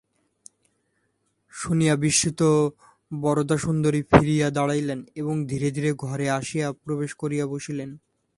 শুনিয়া বিস্মিত বরদাসুন্দরী ফিরিয়া দাঁড়াইলেন এবং ধীরে ধীরে ঘরে আসিয়া প্রবেশ করিয়া বসিলেন।